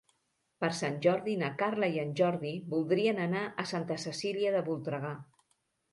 Per Sant Jordi na Carla i en Jordi voldrien anar a Santa Cecília de Voltregà.